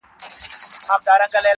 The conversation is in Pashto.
• راغلی مه وای د وطن باده -